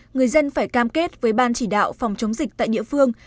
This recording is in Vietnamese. người dân phải cam kết với ban chỉ đạo phòng chống dịch tại địa phương